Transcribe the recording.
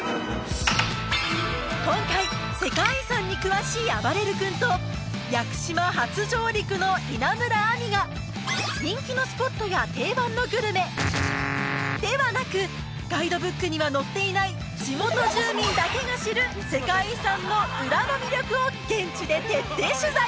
今回世界遺産に詳しいあばれる君と屋久島初上陸の稲村亜美が人気のスポットや定番のグルメではなくガイドブックには載っていない地元住民だけが知る世界遺産のウラの魅力を現地で徹底取材！